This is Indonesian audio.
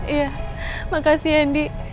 iya makasih andi